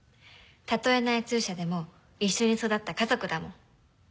たとえ内通者でも一緒に育った家族だもん。